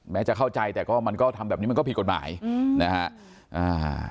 จะเข้าใจแต่ก็มันก็ทำแบบนี้มันก็ผิดกฎหมายอืมนะฮะอ่า